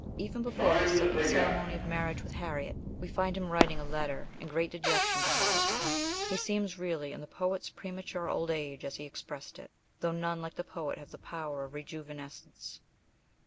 Even before his second ceremony of marriage with Harriet we find him writing a letter in great dejection to Hogg. He seemed really in the poet's " premature old age," as he expressed it, though none like the poet have the power of rejuvenescence.